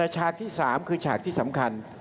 ฉากที่๓คือฉากที่สำคัญ